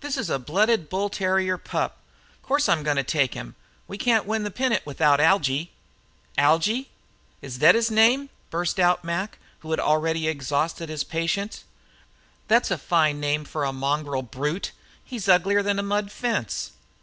"This's a blooded bull terrier pup. Course I'm going to take him. We can't win the pennant without Algy." "Algy? Is thet his name?" burst out Mac, who had already exhausted his patience. "Thet's a fine name for a mongrel brute. He's uglier than a mud fence."